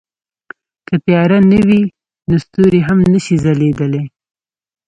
که تیاره نه وي نو ستوري هم نه شي ځلېدلی.